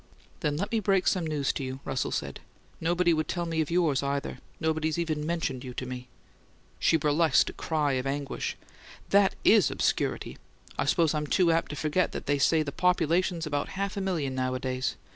"Then let me break some news to you," Russell said. "Nobody would tell me of yours, either. Nobody's even mentioned you to me." She burlesqued a cry of anguish. "That IS obscurity! I suppose I'm too apt to forget that they say the population's about half a million nowadays.